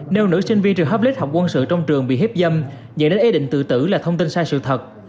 nếu nữ sinh viên trừ hấp lít học quân sự trong trường bị hiếp dâm dẫn đến ý định tự tử là thông tin sai sự thật